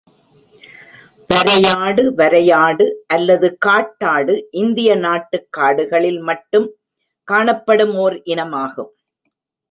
வரையாடு வரையாடு அல்லது காட்டாடு இந்திய நாட்டுக் காடுகளில் மட்டும் காணப்படும் ஓர் இனமாகும்.